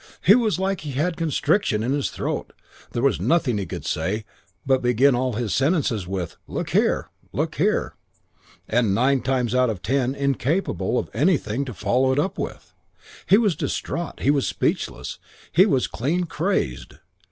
He was like he had a constriction in his throat. There was nothing he could say but begin all his sentences with, 'Look here Look here '; and nine times out of ten incapable of anything to follow it up with. "He was distraught. He was speechless. He was clean crazed.